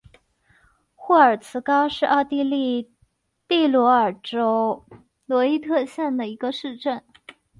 霍尔茨高是奥地利蒂罗尔州罗伊特县的一个市镇。